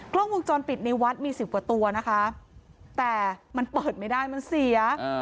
กล้องวงจรปิดในวัดมีสิบกว่าตัวนะคะแต่มันเปิดไม่ได้มันเสีย